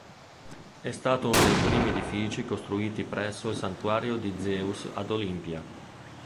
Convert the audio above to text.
È stato uno dei primi edifici costruiti presso il santuario di Zeus ad Olimpia.